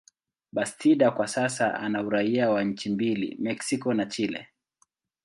Bastida kwa sasa ana uraia wa nchi mbili, Mexico na Chile.